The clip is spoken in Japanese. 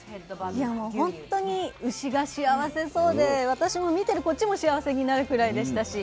いやもうほんとに牛が幸せそうで私も見てるこっちも幸せになるくらいでしたし。